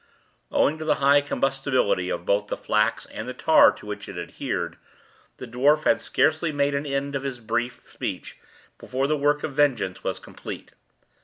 Owing to the high combustibility of both the flax and the tar to which it adhered, the dwarf had scarcely made an end of his brief speech before the work of vengeance was complete.